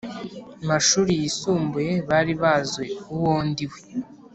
Mashuri yisumbuye bari bazi uwo ndi we